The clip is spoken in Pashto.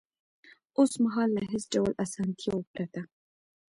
اوس مهال له هېڅ ډول اسانتیاوو پرته